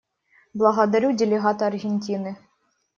Благодарю делегата Аргентины.